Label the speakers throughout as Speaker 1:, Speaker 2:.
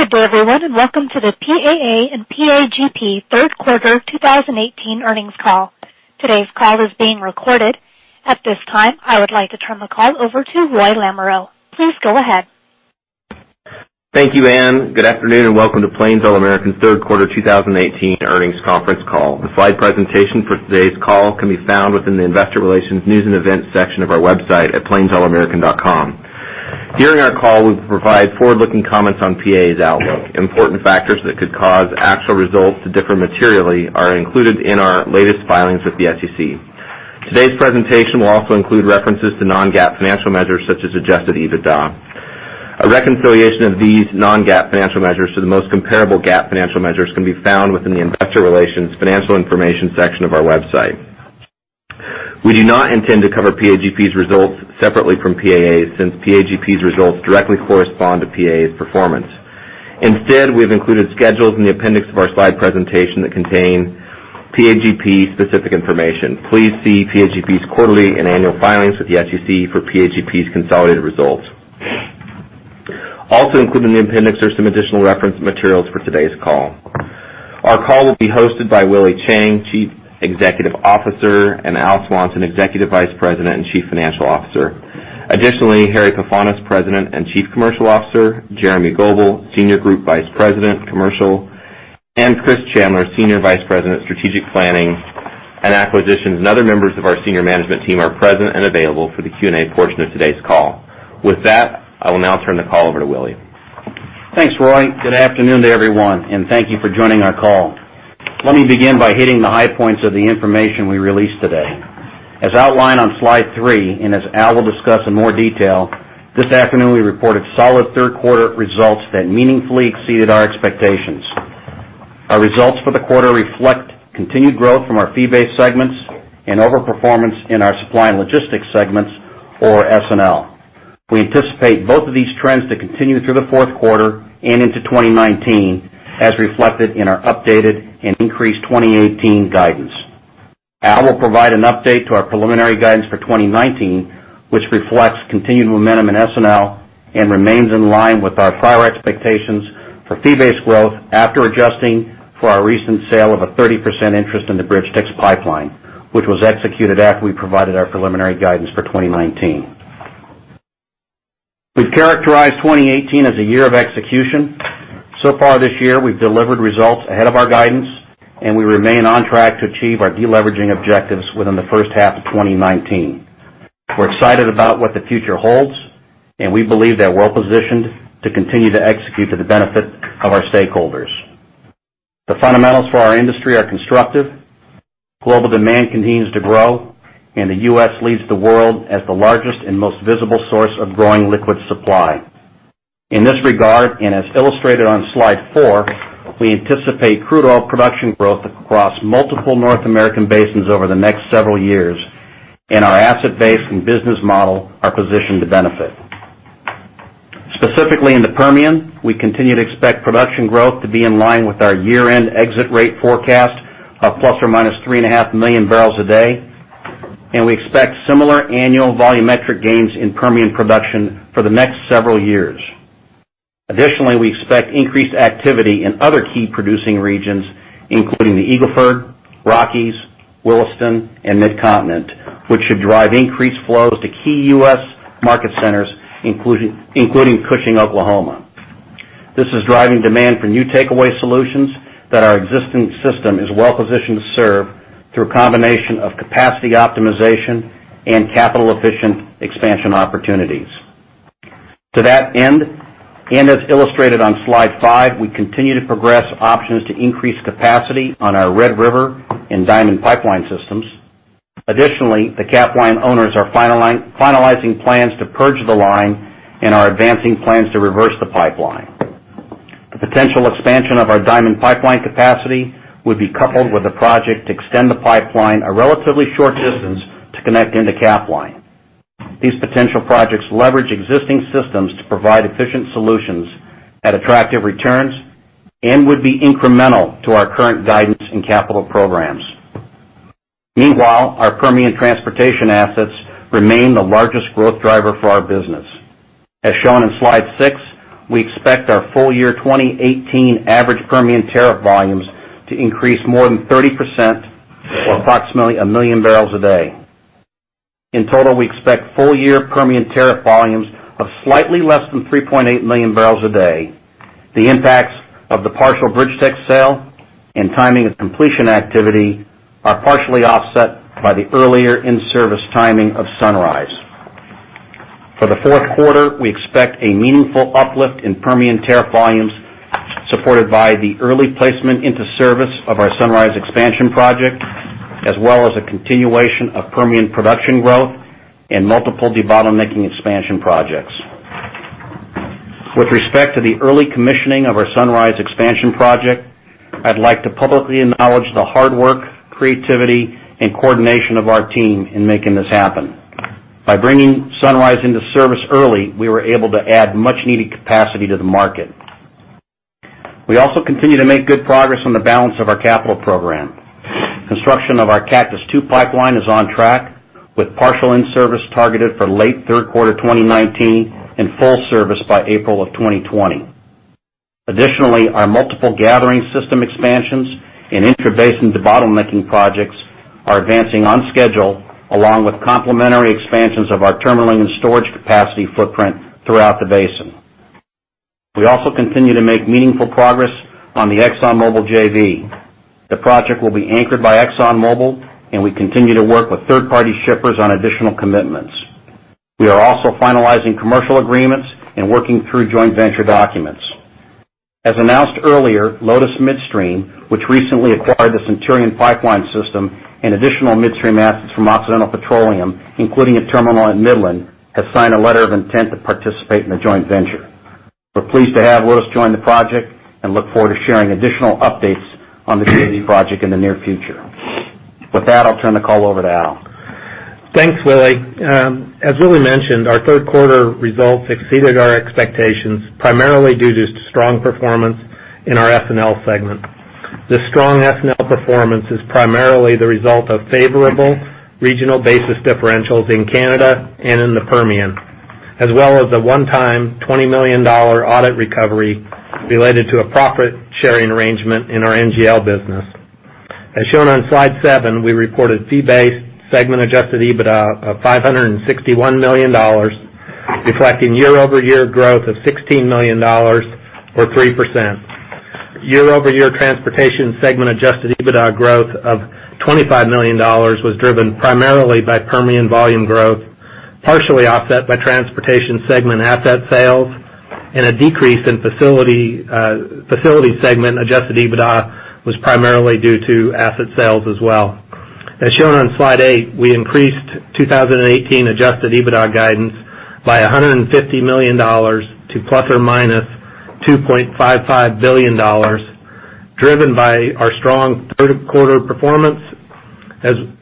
Speaker 1: Good day everyone, welcome to the PAA and PAGP third quarter 2018 earnings call. Today's call is being recorded. At this time, I would like to turn the call over to Roy Lamoreaux. Please go ahead.
Speaker 2: Thank you, Anne. Good afternoon welcome to Plains All American third quarter 2018 earnings conference call. The slide presentation for today's call can be found within the investor relations news and events section of our website at plainsallamerican.com. During our call, we'll provide forward-looking comments on PAA's outlook. Important factors that could cause actual results to differ materially are included in our latest filings with the SEC. Today's presentation will also include references to non-GAAP financial measures such as adjusted EBITDA. A reconciliation of these non-GAAP financial measures to the most comparable GAAP financial measures can be found within the investor relations financial information section of our website. We do not intend to cover PAGP's results separately from PAA's, since PAGP's results directly correspond to PAA's performance. Instead, we've included schedules in the appendix of our slide presentation that contain PAGP's specific information. Please see PAGP's quarterly and annual filings with the SEC for PAGP's consolidated results. Also included in the appendix are some additional reference materials for today's call. Our call will be hosted by Willie Chiang, Chief Executive Officer, Al Swanson, Executive Vice President and Chief Financial Officer. Additionally, Harry Pefanis, President and Chief Commercial Officer, Jeremy Goebel, Senior Group Vice President, Commercial, Chris Chandler, Senior Vice President, Strategic Planning and Acquisitions, other members of our senior management team are present and available for the Q&A portion of today's call. With that, I will now turn the call over to Willie.
Speaker 3: Thanks, Roy. Good afternoon to everyone, thank you for joining our call. Let me begin by hitting the high points of the information we released today. As outlined on slide three, as Al will discuss in more detail, this afternoon we reported solid third quarter results that meaningfully exceeded our expectations. Our results for the quarter reflect continued growth from our fee-based segments and over-performance in our supply & logistics segments or S&L. We anticipate both of these trends to continue through the fourth quarter and into 2019, as reflected in our updated and increased 2018 guidance. Al will provide an update to our preliminary guidance for 2019, which reflects continued momentum in S&L and remains in line with our prior expectations for fee-based growth after adjusting for our recent sale of a 30% interest in the BridgeTex Pipeline, which was executed after we provided our preliminary guidance for 2019. We've characterized 2018 as a year of execution. So far this year, we've delivered results ahead of our guidance, and we remain on track to achieve our deleveraging objectives within the first half of 2019. We're excited about what the future holds, and we believe that we're well-positioned to continue to execute to the benefit of our stakeholders. The fundamentals for our industry are constructive. Global demand continues to grow, and the U.S. leads the world as the largest and most visible source of growing liquid supply. In this regard, as illustrated on slide four, we anticipate crude oil production growth across multiple North American basins over the next several years, and our asset base and business model are positioned to benefit. Specifically in the Permian, we continue to expect production growth to be in line with our year-end exit rate forecast of ±3.5 million barrels a day, and we expect similar annual volumetric gains in Permian production for the next several years. Additionally, we expect increased activity in other key producing regions, including the Eagle Ford, Rockies, Williston and Mid-Continent, which should drive increased flows to key U.S. market centers, including Cushing, Oklahoma. This is driving demand for new takeaway solutions that our existing system is well-positioned to serve through a combination of capacity optimization and capital-efficient expansion opportunities. To that end, as illustrated on slide five, we continue to progress options to increase capacity on our Red River and Diamond Pipeline systems. Additionally, the Capline owners are finalizing plans to purge the line and are advancing plans to reverse the pipeline. The potential expansion of our Diamond Pipeline capacity would be coupled with a project to extend the pipeline a relatively short distance to connect into Capline Pipeline. These potential projects leverage existing systems to provide efficient solutions at attractive returns and would be incremental to our current guidance and capital programs. Meanwhile, our Permian transportation assets remain the largest growth driver for our business. As shown in slide six, we expect our full year 2018 average Permian tariff volumes to increase more than 30% or approximately 1 million barrels a day. In total, we expect full-year Permian tariff volumes of slightly less than 3.8 million barrels a day. The impacts of the partial BridgeTex Pipeline sale and timing of completion activity are partially offset by the earlier in-service timing of Sunrise. For the fourth quarter, we expect a meaningful uplift in Permian tariff volumes supported by the early placement into service of our Sunrise expansion project, as well as a continuation of Permian production growth and multiple debottlenecking expansion projects. With respect to the early commissioning of our Sunrise expansion project, I'd like to publicly acknowledge the hard work, creativity, and coordination of our team in making this happen. By bringing Sunrise into service early, we were able to add much needed capacity to the market. We also continue to make good progress on the balance of our capital program. Construction of our Cactus II pipeline is on track, with partial in-service targeted for late 3rd quarter 2019 and full service by April of 2020. Additionally, our multiple gathering system expansions and intrabasin debottlenecking projects are advancing on schedule, along with complementary expansions of our terminalling and storage capacity footprint throughout the basin. We also continue to make meaningful progress on the ExxonMobil JV. The project will be anchored by ExxonMobil, and we continue to work with third-party shippers on additional commitments. We are also finalizing commercial agreements and working through joint venture documents. As announced earlier, Lotus Midstream, which recently acquired the Centurion Pipeline system and additional midstream assets from Occidental Petroleum, including a terminal in Midland, has signed a letter of intent to participate in a joint venture. We're pleased to have Lotus join the project and look forward to sharing additional updates on the JV project in the near future. With that, I'll turn the call over to Al.
Speaker 4: Thanks, Willie. As Willie mentioned, our 3rd quarter results exceeded our expectations, primarily due to strong performance in our S&L segment. This strong S&L performance is primarily the result of favorable regional basis differentials in Canada and in the Permian, as well as a one-time $20 million audit recovery related to a profit-sharing arrangement in our NGL business. As shown on slide seven, we reported fee-based segment adjusted EBITDA of $561 million, reflecting year-over-year growth of $16 million, or 3%. Year-over-year transportation segment adjusted EBITDA growth of $25 million was driven primarily by Permian volume growth, partially offset by transportation segment asset sales, and a decrease in facility segment adjusted EBITDA was primarily due to asset sales as well. As shown on slide eight, we increased 2018 adjusted EBITDA guidance by $150 million to ±$2.55 billion, driven by our strong 3rd quarter performance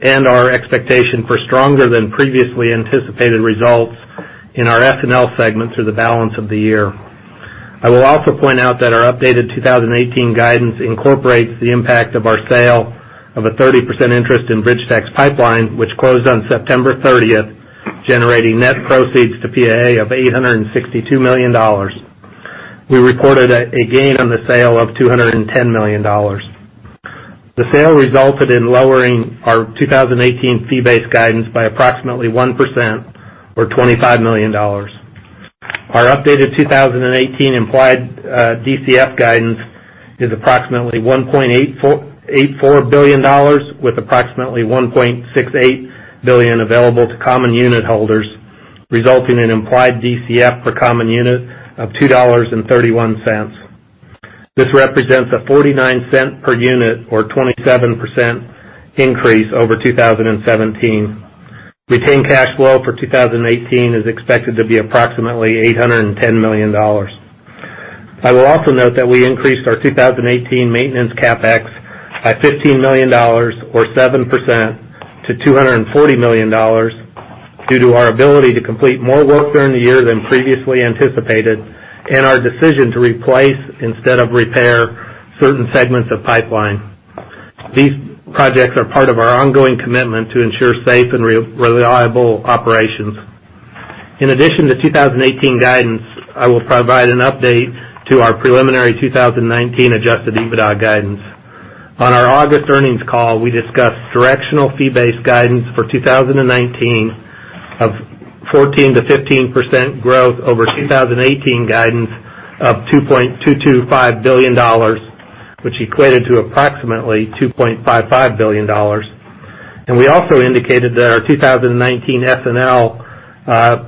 Speaker 4: and our expectation for stronger than previously anticipated results in our S&L segment through the balance of the year. I will also point out that our updated 2018 guidance incorporates the impact of our sale of a 30% interest in BridgeTex Pipeline, which closed on September 30th, generating net proceeds to PAA of $862 million. We reported a gain on the sale of $210 million. The sale resulted in lowering our 2018 fee-based guidance by approximately 1%, or $25 million. Our updated 2018 implied DCF guidance is approximately $1.84 billion, with approximately $1.68 billion available to common unit holders, resulting in implied DCF per common unit of $2.31. This represents a $0.49 per unit or 27% increase over 2017. Retained cash flow for 2018 is expected to be approximately $810 million. I will also note that we increased our 2018 maintenance CapEx by $15 million or 7% to $240 million due to our ability to complete more work during the year than previously anticipated and our decision to replace instead of repair certain segments of pipeline. These projects are part of our ongoing commitment to ensure safe and reliable operations. In addition to 2018 guidance, I will provide an update to our preliminary 2019 adjusted EBITDA guidance. On our August earnings call, we discussed directional fee-based guidance for 2019 of 14%-15% growth over 2018 guidance of $2.225 billion, which equated to approximately $2.55 billion. We also indicated that our 2019 S&L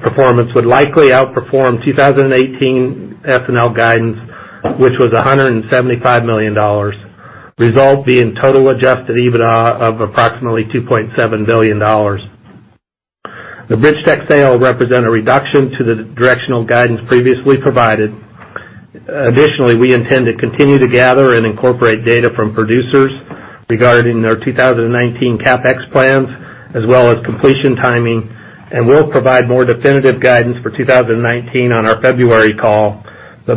Speaker 4: performance would likely outperform 2018 S&L guidance, which was $175 million, result being total adjusted EBITDA of approximately $2.7 billion. The BridgeTex sale will represent a reduction to the directional guidance previously provided. Additionally, we intend to continue to gather and incorporate data from producers regarding their 2019 CapEx plans as well as completion timing. We will provide more definitive guidance for 2019 on our February call.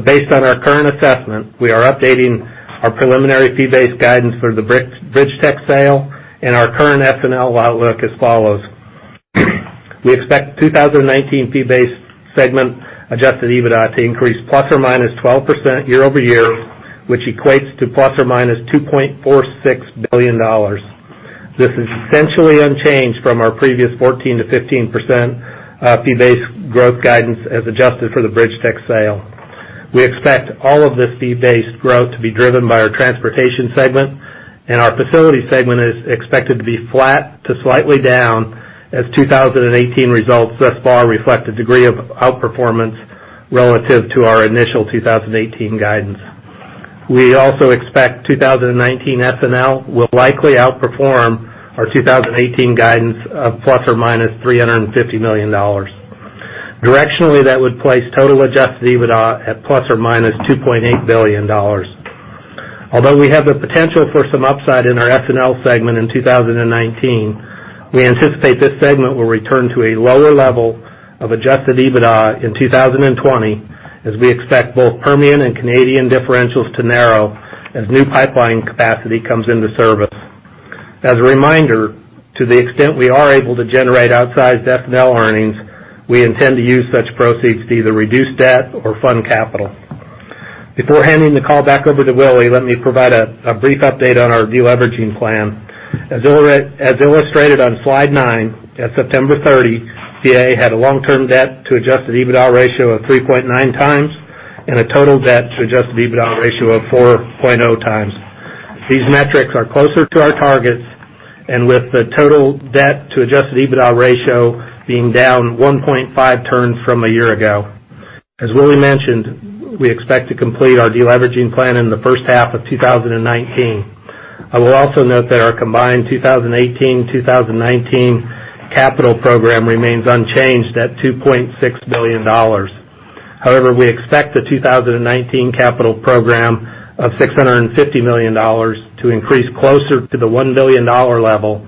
Speaker 4: Based on our current assessment, we are updating our preliminary fee-based guidance for the BridgeTex sale and our current S&L outlook as follows. We expect 2019 fee-based segment adjusted EBITDA to increase ±12% year-over-year, which equates to ±$2.46 billion. This is essentially unchanged from our previous 14%-15% fee-based growth guidance as adjusted for the BridgeTex sale. We expect all of this fee-based growth to be driven by our transportation segment. Our facility segment is expected to be flat to slightly down as 2018 results thus far reflect a degree of outperformance relative to our initial 2018 guidance. We also expect 2019 S&L will likely outperform our 2018 guidance of ±$350 million. Directionally, that would place total adjusted EBITDA at ±$2.8 billion. Although we have the potential for some upside in our S&L segment in 2019, we anticipate this segment will return to a lower level of adjusted EBITDA in 2020, as we expect both Permian and Canadian differentials to narrow as new pipeline capacity comes into service. As a reminder, to the extent we are able to generate outsized S&L earnings, we intend to use such proceeds to either reduce debt or fund capital. Before handing the call back over to Willie, let me provide a brief update on our de-leveraging plan. As illustrated on slide nine, at September 30, PAA had a long-term debt to adjusted EBITDA ratio of 3.9 times and a total debt to adjusted EBITDA ratio of 4.0 times. These metrics are closer to our targets, with the total debt to adjusted EBITDA ratio being down 1.5 turns from a year ago. As Willie mentioned, we expect to complete our de-leveraging plan in the first half of 2019. I will also note that our combined 2018-2019 capital program remains unchanged at $2.6 billion. We expect the 2019 capital program of $650 million to increase closer to the $1 billion level,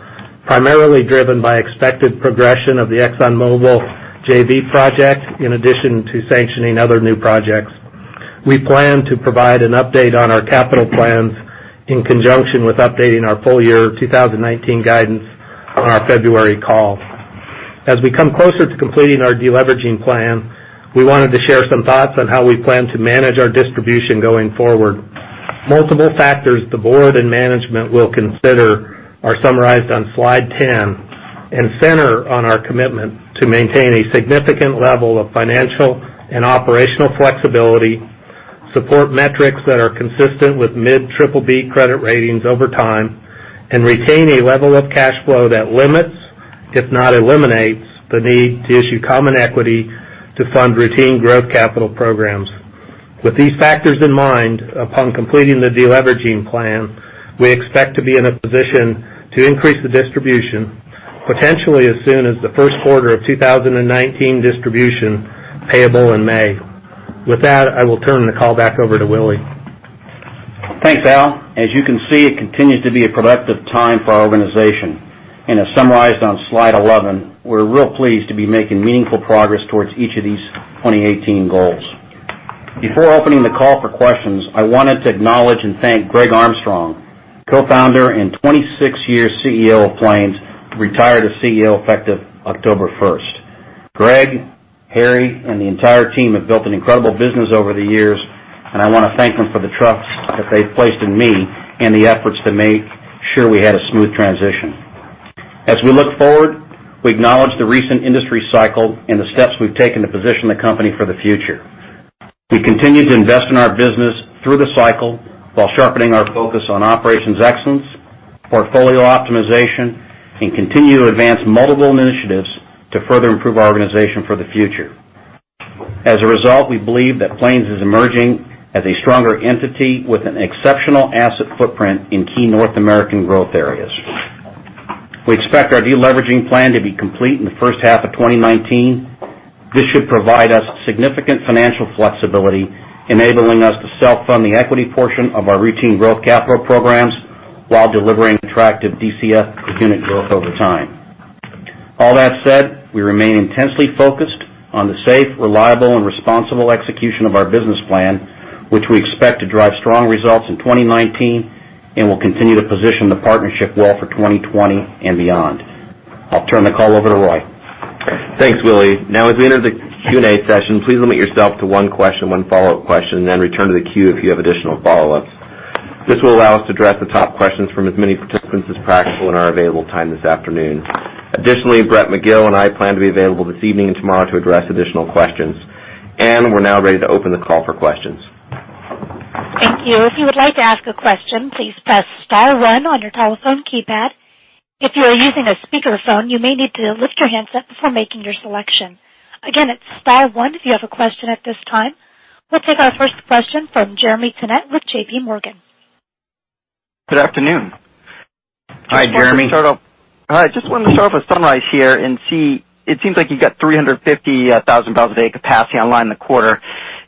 Speaker 4: primarily driven by expected progression of the ExxonMobil JV project, in addition to sanctioning other new projects. We plan to provide an update on our capital plans in conjunction with updating our full year 2019 guidance on our February call. As we come closer to completing our de-leveraging plan, we wanted to share some thoughts on how we plan to manage our distribution going forward. Multiple factors the board and management will consider are summarized on slide 10 and center on our commitment to maintain a significant level of financial and operational flexibility, support metrics that are consistent with mid triple B credit ratings over time, and retain a level of cash flow that limits, if not eliminates, the need to issue common equity to fund routine growth capital programs. With these factors in mind, upon completing the de-leveraging plan, we expect to be in a position to increase the distribution, potentially as soon as the first quarter of 2019 distribution payable in May. With that, I will turn the call back over to Willie.
Speaker 3: Thanks, Al. As you can see, it continues to be a productive time for our organization. As summarized on slide 11, we're real pleased to be making meaningful progress towards each of these 2018 goals. Before opening the call for questions, I wanted to acknowledge and thank Greg Armstrong, co-founder and 26-year CEO of Plains, who retired as CEO effective October 1st. Greg, Harry, and the entire team have built an incredible business over the years, and I want to thank them for the trust that they've placed in me and the efforts to make sure we had a smooth transition. As we look forward, we acknowledge the recent industry cycle and the steps we've taken to position the company for the future. We continue to invest in our business through the cycle while sharpening our focus on operations excellence, portfolio optimization, and continue to advance multiple initiatives to further improve our organization for the future. As a result, we believe that Plains is emerging as a stronger entity with an exceptional asset footprint in key North American growth areas. We expect our de-leveraging plan to be complete in the first half of 2019. This should provide us significant financial flexibility, enabling us to self-fund the equity portion of our routine growth capital programs while delivering attractive DCF per unit growth over time. All that said, we remain intensely focused on the safe, reliable, and responsible execution of our business plan, which we expect to drive strong results in 2019 and will continue to position the partnership well for 2020 and beyond. I'll turn the call over to Roy.
Speaker 2: Thanks, Willie. As we enter the Q&A session, please limit yourself to one question, one follow-up question, then return to the queue if you have additional follow-ups. This will allow us to address the top questions from as many participants as practical in our available time this afternoon. Additionally, Brett Magill and I plan to be available this evening and tomorrow to address additional questions. We're now ready to open the call for questions.
Speaker 1: Thank you. If you would like to ask a question, please press star one on your telephone keypad. If you are using a speakerphone, you may need to lift your handset before making your selection. Again, it's star one if you have a question at this time. We'll take our first question from Jeremy Tonet with J.P. Morgan.
Speaker 5: Good afternoon.
Speaker 3: Hi, Jeremy.
Speaker 5: Just wanted to start off with Sunrise here and see. It seems like you got 350,000 barrels a day capacity online in the quarter.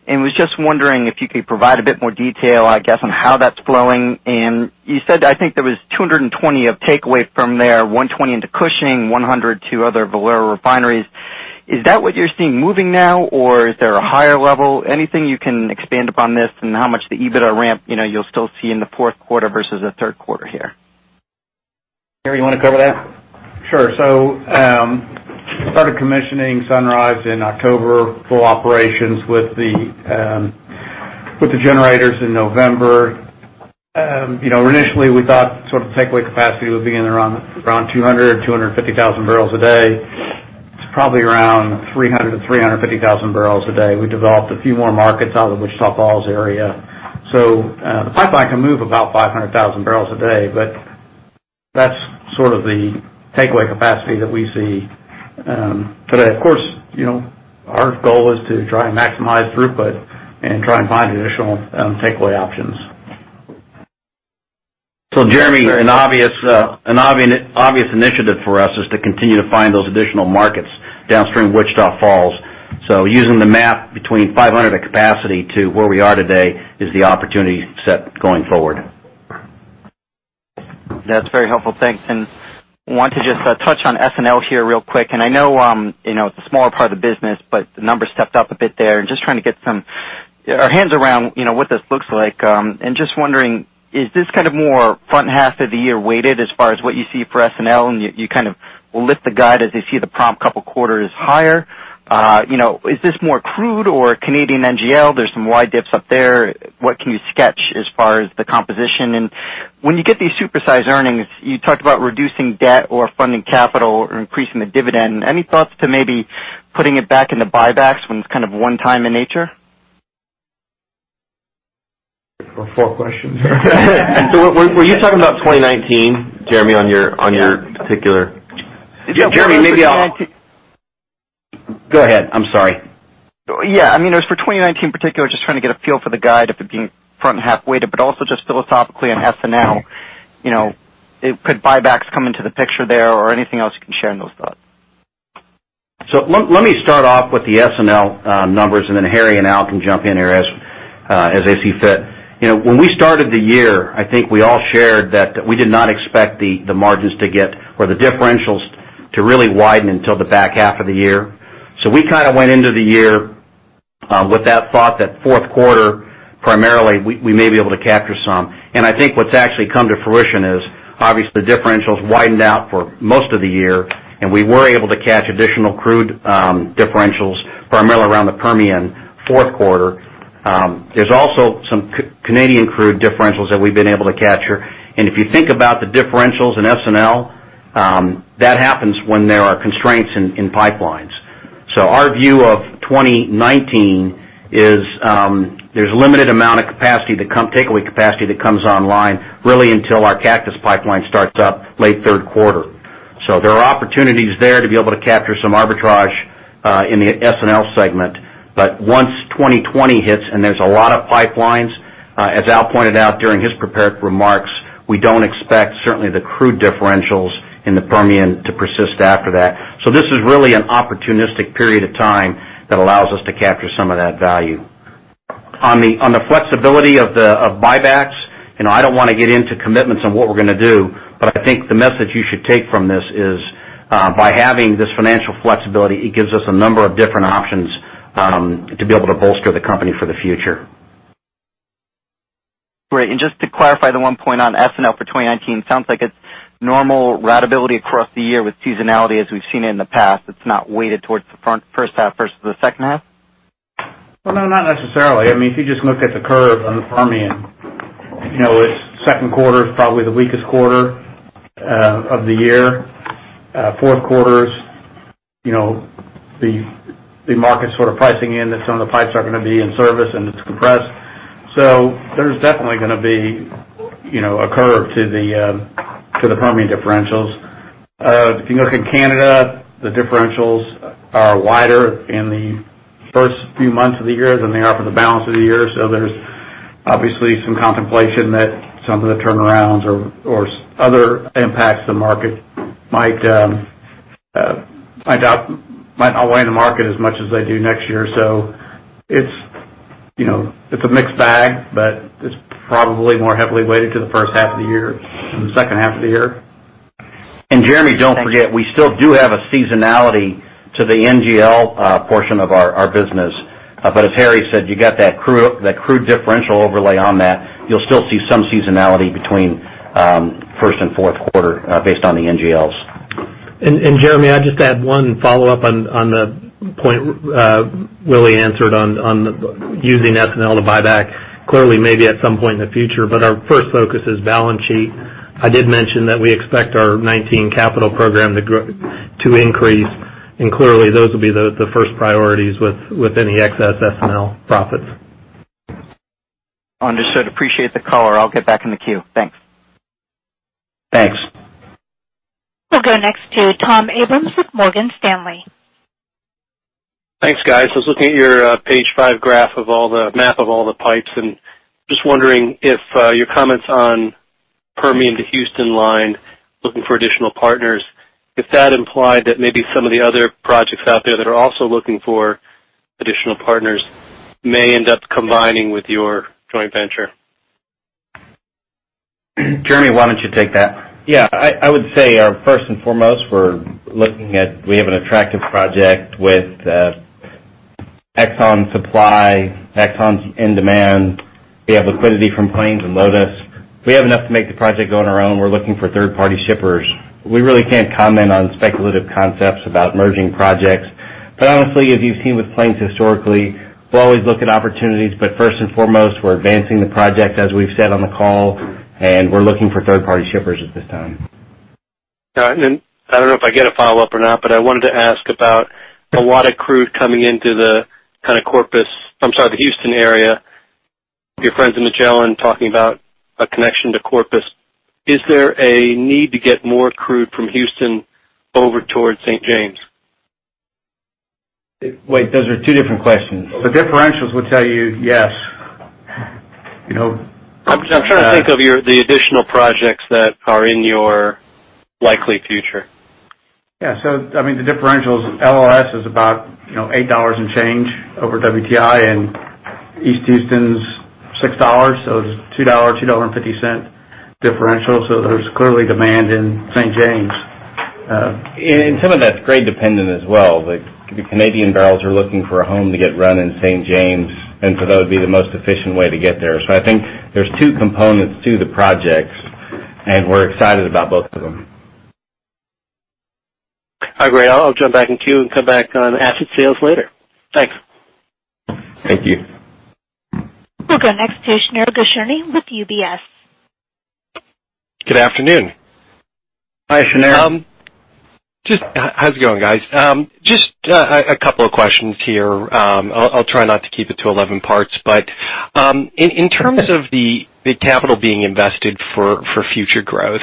Speaker 5: Was just wondering if you could provide a bit more detail, I guess, on how that's flowing. You said, I think there was 220 of takeaway from there, 120 into Cushing, 100 to other Valero refineries. Is that what you're seeing moving now or is there a higher level? Anything you can expand upon this and how much the EBITDA ramp, you'll still see in the fourth quarter versus the third quarter here?
Speaker 3: Harry, you want to cover that?
Speaker 6: Sure. Started commissioning Sunrise in October, full operations with the generators in November. Initially, we thought sort of takeaway capacity would be in around 200, 250,000 barrels a day. It's probably around 300 to 350,000 barrels a day. We developed a few more markets out of the Wichita Falls area. The pipeline can move about 500,000 barrels a day, but that's sort of the takeaway capacity that we see today. Of course, our goal is to try and maximize throughput and try and find additional takeaway options.
Speaker 3: Jeremy, an obvious initiative for us is to continue to find those additional markets downstream of Wichita Falls. Using the map between 500 of capacity to where we are today is the opportunity set going forward.
Speaker 5: That's very helpful. Thanks. Wanted to just touch on S&L here real quick. I know, it's a smaller part of the business, but the numbers stepped up a bit there, and just trying to get our heads around what this looks like. Just wondering, is this more front half of the year weighted as far as what you see for S&L, and you kind of lift the guide as you see the prompt couple quarters higher? Is this more crude or Canadian NGL? There's some wide dips up there. What can you sketch as far as the composition? When you get these super-sized earnings, you talked about reducing debt or funding capital or increasing the dividend. Any thoughts to maybe putting it back into buybacks when it's kind of one time in nature?
Speaker 3: Four questions.
Speaker 6: Were you talking about 2019, Jeremy, on your particular
Speaker 5: Yeah.
Speaker 3: Jeremy, maybe Go ahead, I'm sorry.
Speaker 5: Yeah. It was for 2019 particular, just trying to get a feel for the guide, if it being front-half weighted, but also just philosophically on S&L. Could buybacks come into the picture there or anything else you can share on those thoughts?
Speaker 3: Let me start off with the S&L numbers, and then Harry and Al can jump in here as they see fit. When we started the year, I think we all shared that we did not expect the margins to get, or the differentials to really widen until the back half of the year. We kind of went into the year with that thought, that fourth quarter, primarily, we may be able to capture some. I think what's actually come to fruition is obviously the differentials widened out for most of the year, and we were able to catch additional crude differentials primarily around the Permian fourth quarter. There's also some Canadian crude differentials that we've been able to capture. And if you think about the differentials in S&L, that happens when there are constraints in pipelines. Our view of 2019 is, there's limited amount of takeaway capacity that comes online, really until our Cactus Pipeline starts up late third quarter. There are opportunities there to be able to capture some arbitrage in the S&L segment. Once 2020 hits and there's a lot of pipelines, as Al pointed out during his prepared remarks, we don't expect certainly the crude differentials in the Permian to persist after that. This is really an opportunistic period of time that allows us to capture some of that value. On the flexibility of buybacks, I don't want to get into commitments on what we're going to do, but I think the message you should take from this is by having this financial flexibility, it gives us a number of different options to be able to bolster the company for the future.
Speaker 5: Great. Just to clarify the one point on S&L for 2019, sounds like it's normal ratability across the year with seasonality as we've seen it in the past. It's not weighted towards the first half versus the second half?
Speaker 6: Well, no, not necessarily. If you just look at the curve on the Permian, its second quarter is probably the weakest quarter of the year. Fourth quarter is the market sort of pricing in that some of the pipes are going to be in service and it's compressed. There's definitely going to be a curve to the Permian differentials. If you look in Canada, the differentials are wider in the first few months of the year than they are for the balance of the year. There's obviously some contemplation that some of the turnarounds or other impacts to the market might not weigh in the market as much as they do next year. It's a mixed bag, but it's probably more heavily weighted to the first half of the year than the second half of the year.
Speaker 3: Jeremy, don't forget, we still do have a seasonality to the NGL portion of our business. As Harry said, you got that crude differential overlay on that. You'll still see some seasonality between first and fourth quarter based on the NGLs.
Speaker 4: Jeremy, I'd just add one follow-up on the point Willie answered on using S&L to buy back. Clearly, maybe at some point in the future, but our first focus is balance sheet. I did mention that we expect our 2019 capital program to increase. Clearly, those will be the first priorities with any excess S&L profits.
Speaker 5: Understood. Appreciate the color. I'll get back in the queue. Thanks.
Speaker 3: Thanks.
Speaker 1: We'll go next to Thomas Abrams with Morgan Stanley.
Speaker 7: Thanks, guys. I was looking at your page five graph of all the map of all the pipes, just wondering if your comments on Permian to Houston line, looking for additional partners, if that implied that maybe some of the other projects out there that are also looking for additional partners may end up combining with your joint venture.
Speaker 3: Jeremy, why don't you take that?
Speaker 8: Yeah. I would say first and foremost, we have an attractive project with Exxon supply, Exxon's in demand. We have liquidity from Plains and Lotus. We have enough to make the project go on our own. We're looking for third-party shippers. We really can't comment on speculative concepts about merging projects. Honestly, as you've seen with Plains historically, we'll always look at opportunities, first and foremost, we're advancing the project, as we've said on the call, and we're looking for third-party shippers at this time.
Speaker 7: All right. I don't know if I get a follow-up or not, but I wanted to ask about a lot of crude coming into the Houston area. Your friends in Magellan talking about a connection to Corpus. Is there a need to get more crude from Houston over towards St. James?
Speaker 8: Wait, those are two different questions.
Speaker 4: The differentials will tell you, yes.
Speaker 7: I'm trying to think of the additional projects that are in your likely future.
Speaker 8: Yeah. The differential is LLS is about $8 and change over WTI, and East Houston's $6. It's $2.50 differential. There's clearly demand in St. James.
Speaker 6: Some of that's grade dependent as well. The Canadian barrels are looking for a home to get run in St. James, and so that would be the most efficient way to get there. I think there's two components to the projects, and we're excited about both of them.
Speaker 7: All right. I'll jump back in queue and come back on asset sales later. Thanks.
Speaker 6: Thank you.
Speaker 1: We'll go next to Shneur Bashani with UBS.
Speaker 9: Good afternoon.
Speaker 6: Hi, Shneur.
Speaker 9: How's it going, guys? Just a couple of questions here. I'll try not to keep it to 11 parts. In terms of the capital being invested for future growth,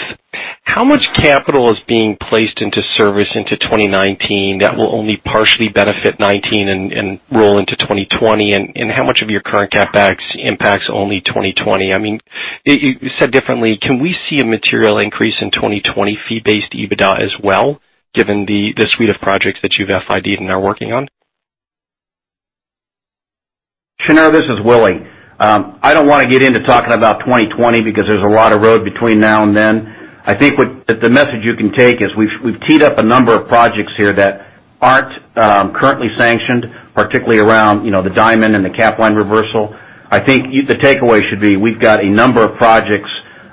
Speaker 9: how much capital is being placed into service into 2019 that will only partially benefit 2019 and roll into 2020? How much of your current CapEx impacts only 2020? Said differently, can we see a material increase in 2020 fee-based EBITDA as well, given the suite of projects that you've FID-ed and are working on?
Speaker 3: Shneur, this is Willie. I don't want to get into talking about 2020 because there's a lot of road between now and then. I think the message you can take is we've teed up a number of projects here that aren't currently sanctioned, particularly around the Diamond and the Capline reversal. I think the takeaway should be, we've got a number of projects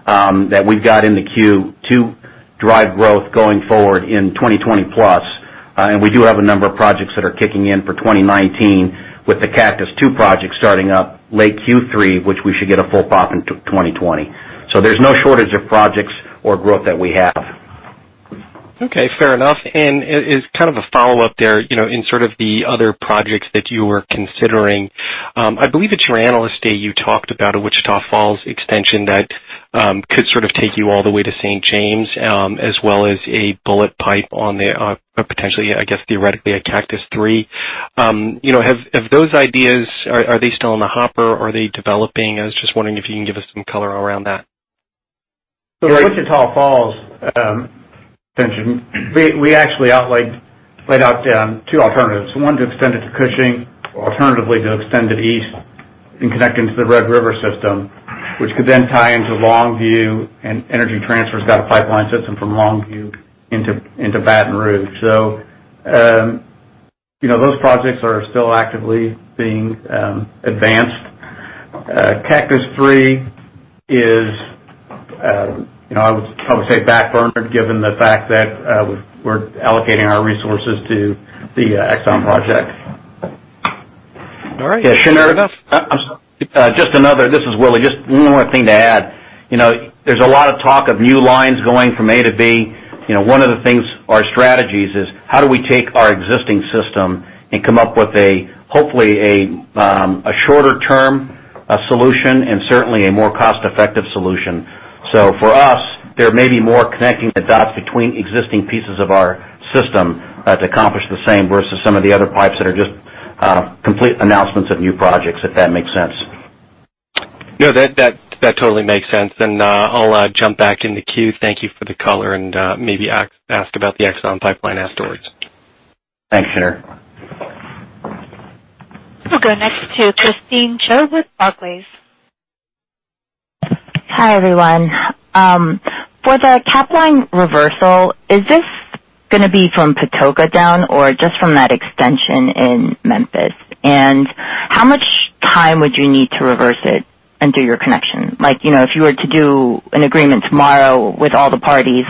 Speaker 3: that we've got in the queue to drive growth going forward in 2020 plus. We do have a number of projects that are kicking in for 2019 with the Cactus II project starting up late Q3, which we should get a full POP into 2020. There's no shortage of projects or growth that we have.
Speaker 9: Okay, fair enough. As kind of a follow-up there, in sort of the other projects that you were considering, I believe at your Analyst Day, you talked about a Wichita Falls extension that could sort of take you all the way to St. James, as well as a bullet pipe on a potentially, I guess, theoretically, a Cactus III. Have those ideas, are they still in the hopper? Are they developing? I was just wondering if you can give us some color around that.
Speaker 8: Wichita Falls extension, we actually laid out two alternatives. One, to extend it to Cushing, alternatively, to extend it east and connect into the Red River system, which could then tie into Longview, and Energy Transfer's got a pipeline system from Longview into Baton Rouge. Those projects are still actively being advanced. Cactus III is, I would say, back-burnered, given the fact that we're allocating our resources to the Exxon project.
Speaker 9: All right. Fair enough.
Speaker 3: This is Willie. Just one more thing to add. There's a lot of talk of new lines going from A to B. One of the things, our strategies is, how do we take our existing system and come up with, hopefully, a shorter-term solution and certainly a more cost-effective solution. For us, there may be more connecting the dots between existing pieces of our system to accomplish the same versus some of the other pipes that are just complete announcements of new projects, if that makes sense.
Speaker 9: No, that totally makes sense. I'll jump back in the queue. Thank you for the color, and maybe ask about the Exxon pipeline afterwards.
Speaker 6: Thanks, Shneur.
Speaker 1: We'll go next to Christine Cho with Barclays.
Speaker 10: Hi, everyone. For the Capline reversal, is this going to be from Patoka down or just from that extension in Memphis? How much time would you need to reverse it and do your connection? If you were to do an agreement tomorrow with all the parties,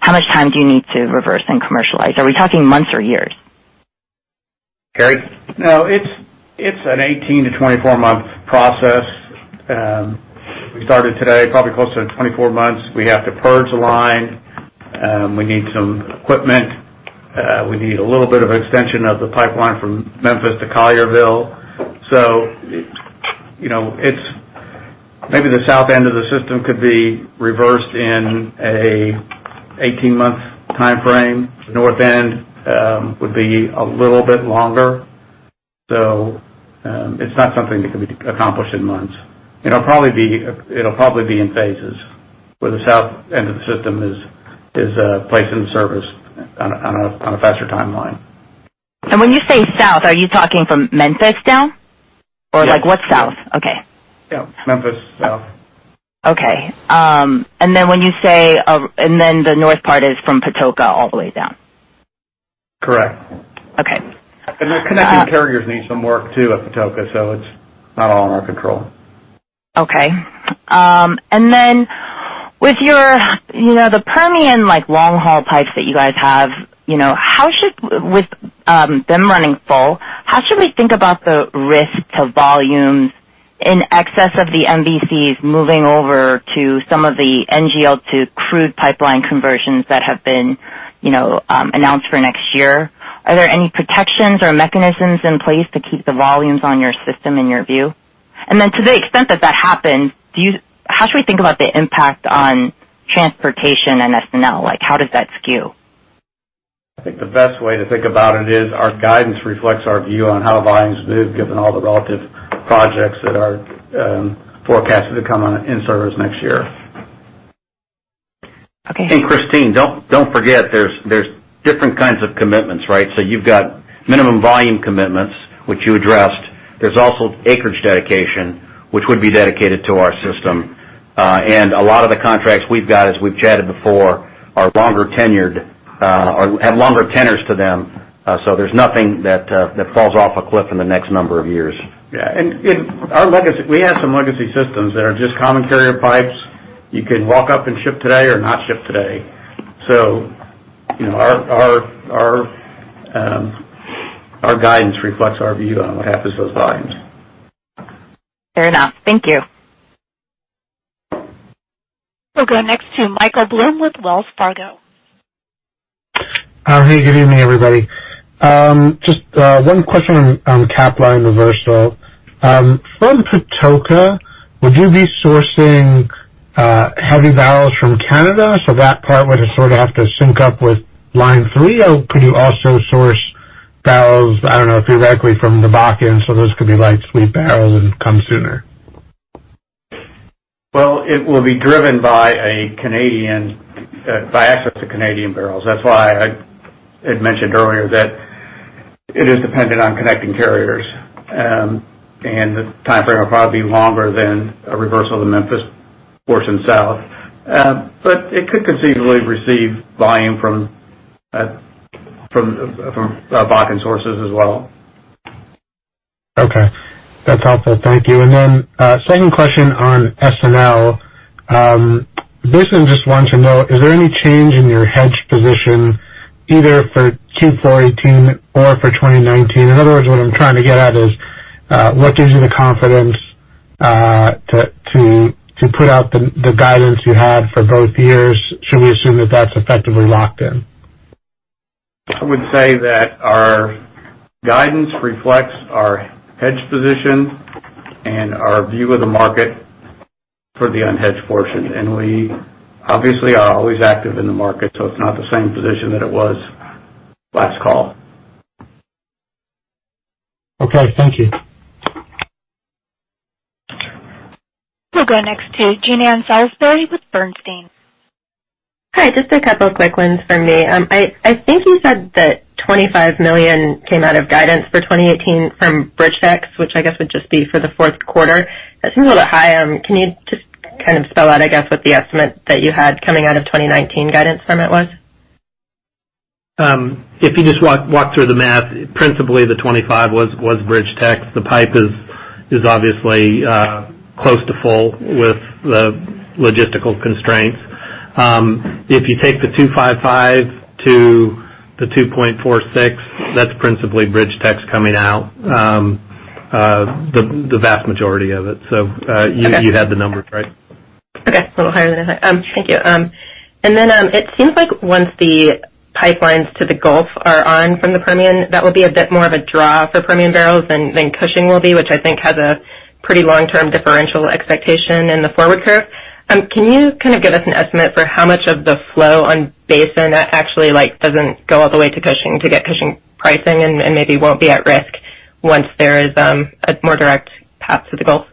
Speaker 10: how much time do you need to reverse and commercialize? Are we talking months or years?
Speaker 6: Jerry?
Speaker 8: No, it's an 18- to 24-month process. We started today, probably closer to 24 months. We have to purge the line. We need some equipment. We need a little bit of extension of the pipeline from Memphis to Collierville. Maybe the south end of the system could be reversed in an 18-month timeframe. The north end would be a little bit longer. It's not something that can be accomplished in months. It'll probably be in phases, where the south end of the system is placed into service on a faster timeline.
Speaker 10: When you say south, are you talking from Memphis down?
Speaker 8: Yes.
Speaker 10: What's south? Okay.
Speaker 8: Yeah, Memphis, south.
Speaker 10: Okay. The north part is from Patoka all the way down?
Speaker 8: Correct.
Speaker 10: Okay.
Speaker 8: The connecting carriers need some work, too, at Patoka, so it is not all in our control.
Speaker 10: Okay. With the Permian long-haul pipes that you guys have, with them running full, how should we think about the risk to volumes in excess of the MVCs moving over to some of the NGL to crude pipeline conversions that have been announced for next year? Are there any protections or mechanisms in place to keep the volumes on your system in your view? To the extent that that happens, how should we think about the impact on transportation and S&L? How does that skew?
Speaker 8: I think the best way to think about it is our guidance reflects our view on how volumes move given all the relative projects that are forecasted to come in service next year.
Speaker 10: Okay.
Speaker 3: Christine, don't forget, there's different kinds of commitments, right? You've got Minimum Volume Commitment, which you addressed. There's also acreage dedication, which would be dedicated to our system. A lot of the contracts we've got, as we've chatted before, have longer tenors to them, there's nothing that falls off a cliff in the next number of years.
Speaker 8: Yeah. We have some legacy systems that are just common carrier pipes. You can walk up and ship today or not ship today. Our guidance reflects our view on what happens to those volumes.
Speaker 10: Fair enough. Thank you.
Speaker 1: We'll go next to Michael Blum with Wells Fargo.
Speaker 11: Hey, good evening, everybody. Just one question on Capline reversal. From Patoka, would you be sourcing heavy barrels from Canada, that part would sort of have to sync up with Line 3? Could you also source barrels, I don't know, directly from the Bakken, those could be light sweet barrels and come sooner?
Speaker 8: Well, it will be driven by access to Canadian barrels. That's why I had mentioned earlier that it is dependent on connecting carriers. The timeframe will probably be longer than a reversal of the Memphis portion south. It could conceivably receive volume from Bakken sources as well.
Speaker 11: Okay. That's helpful. Thank you. Then, second question on S&L. Basically, just want to know, is there any change in your hedge position either for Q4 2018 or for 2019? In other words, what I'm trying to get at is, what gives you the confidence to put out the guidance you have for both years? Should we assume that that's effectively locked in?
Speaker 8: I would say that our guidance reflects our hedge position and our view of the market for the unhedged portion. We obviously are always active in the market, it's not the same position that it was last call.
Speaker 11: Okay. Thank you.
Speaker 1: We'll go next to Jean Ann Salisbury with Bernstein.
Speaker 12: Hi, just a couple quick ones for me. I think you said that $25 million came out of guidance for 2018 from BridgeTex, which I guess would just be for the fourth quarter. That seems a little bit high. Can you just kind of spell out, I guess, what the estimate that you had coming out of 2019 guidance from it was?
Speaker 8: If you just walk through the math, principally the 25 was BridgeTex. The pipe is obviously close to full with the logistical constraints. If you take the 2.55 to the 2.46, that's principally BridgeTex coming out. The vast majority of it.
Speaker 12: Okay.
Speaker 8: You had the numbers right.
Speaker 12: Okay. A little higher than I thought. Thank you. Then, it seems like once the pipelines to the Gulf are on from the Permian, that will be a bit more of a draw for Permian barrels than Cushing will be, which I think has a pretty long-term differential expectation in the forward curve. Can you kind of give us an estimate for how much of the flow on basin actually doesn't go all the way to Cushing to get Cushing pricing and maybe won't be at risk once there is a more direct path to the Gulf?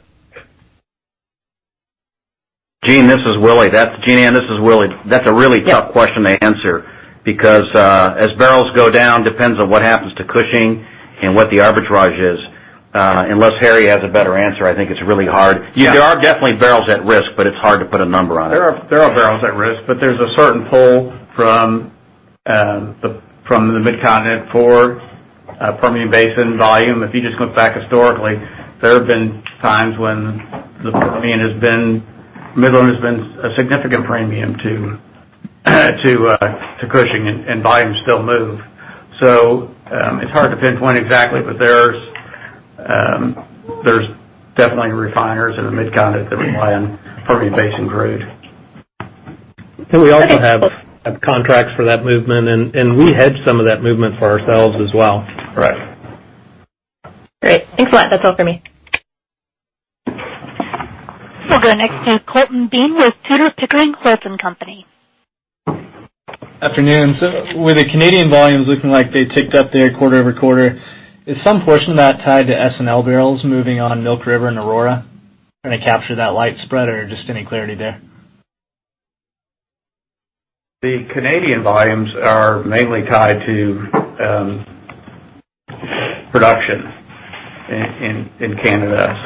Speaker 3: Jean, this is Willie. Jeannie, this is Willie. That's a really tough.
Speaker 12: Yeah
Speaker 3: question to answer because as barrels go down, depends on what happens to Cushing and what the arbitrage is. Unless Harry has a better answer, I think it's really hard.
Speaker 6: Yeah.
Speaker 3: There are definitely barrels at risk, it's hard to put a number on it.
Speaker 8: There are barrels at risk, there's a certain pull from the Mid-Continent for Permian Basin volume. If you just look back historically, there have been times when Midland has been a significant premium to Cushing and volumes still move. It's hard to pinpoint exactly, but there's definitely refiners in the Mid-Continent that rely on Permian Basin crude.
Speaker 12: Okay.
Speaker 8: We also have contracts for that movement, and we hedge some of that movement for ourselves as well.
Speaker 3: Right.
Speaker 12: Great. Thanks a lot. That's all for me.
Speaker 1: We'll go next to Colton Bean with Tudor, Pickering, Holt & Co.
Speaker 13: Afternoon. With the Canadian volumes looking like they ticked up there quarter-over-quarter, is some portion of that tied to S&L barrels moving on Milk River and Aurora, trying to capture that light spread or just any clarity there?
Speaker 8: The Canadian volumes are mainly tied to production in Canada.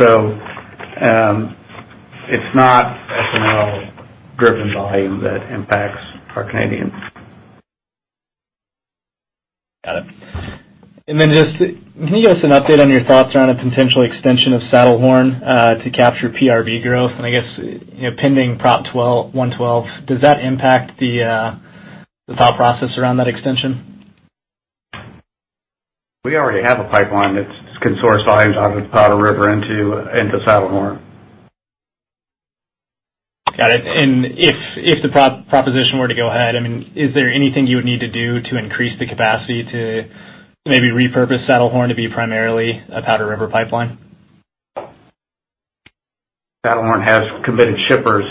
Speaker 8: It's not S&L-driven volume that impacts our Canadians.
Speaker 13: Got it. Can you give us an update on your thoughts around a potential extension of Saddlehorn, to capture PRB growth, and I guess pending Proposition 112, does that impact the thought process around that extension?
Speaker 8: We already have a pipeline that can source volumes out of Powder River into Saddlehorn.
Speaker 13: Got it. If the proposition were to go ahead, is there anything you would need to do to increase the capacity to maybe repurpose Saddlehorn to be primarily a Powder River pipeline?
Speaker 4: Saddlehorn has committed shippers,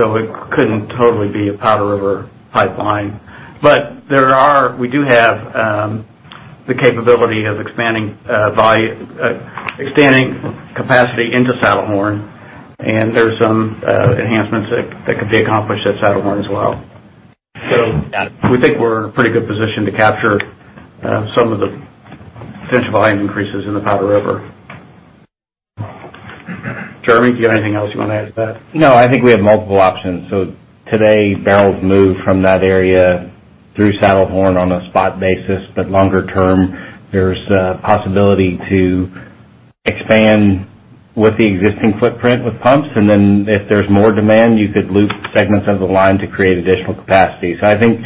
Speaker 4: it couldn't totally be a Powder River pipeline. We do have the capability of expanding capacity into Saddlehorn, and there's some enhancements that could be accomplished at Saddlehorn as well. We think we're in a pretty good position to capture some of the potential volume increases in the Powder River. Jeremy, do you have anything else you want to add to that?
Speaker 8: I think we have multiple options. Today, barrels move from that area through Saddlehorn on a spot basis, longer term, there's a possibility to expand with the existing footprint with pumps, if there's more demand, you could loop segments of the line to create additional capacity. I think